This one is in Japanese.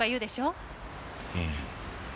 うん。